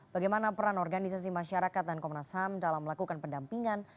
bagaimana peran organisasi masyarakat dan komnas ham dalam melakukan pendampingan